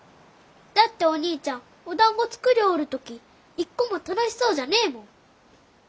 だってお兄ちゃんおだんご作りょうる時いっこも楽しそうじゃねえもん。